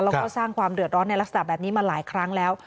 แล้วก็สร้างความเดือดร้อนในลักษณะแบบนี้มาหลายครั้งแล้ว